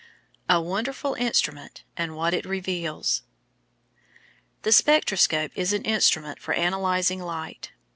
A WONDERFUL INSTRUMENT AND WHAT IT REVEALS The spectroscope is an instrument for analysing light.